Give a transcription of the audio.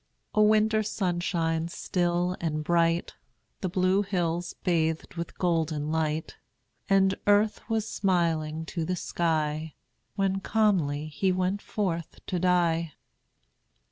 ] A winter sunshine, still and bright, The Blue Hills bathed with golden light, And earth was smiling to the sky, When calmly he went forth to die.